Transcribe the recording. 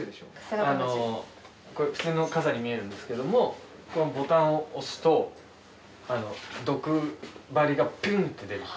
あのこれ普通の傘に見えるんですけどもこのボタンを押すとあの毒針がピュンッ！って出る。